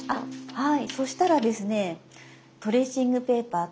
はい。